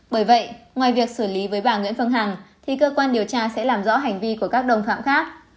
bởi vậy ngoài việc xử lý với bà nguyễn phương hằng thì cơ quan điều tra sẽ làm rõ hành vi của các đồng phạm khác